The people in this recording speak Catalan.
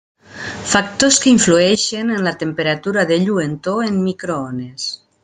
Factors que influeixen en la temperatura de lluentor en microones.